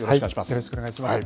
よろしくお願いします。